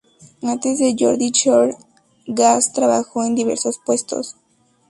Antes de Geordie Shore, Gaz trabajó en diversos puestos.